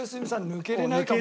抜けれないかも。